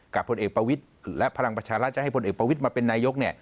ผลเอกประวิทย์และพลังประชารัฐจะให้พลเอกประวิทย์มาเป็นนายก